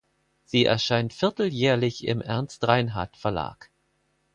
Sie erscheint vierteljährlich im Ernst Reinhardt Verlag.